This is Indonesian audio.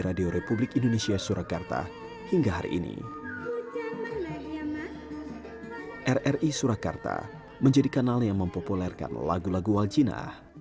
ri surakarta menjadi kanal yang mempopulerkan lagu lagu waljina